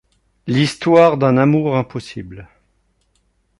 L'histoire d'un amour impossible.